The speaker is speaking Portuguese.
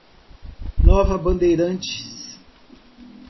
Nova Bandeirantes